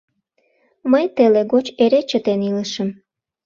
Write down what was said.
- Мый теле гоч эре чытен илышым.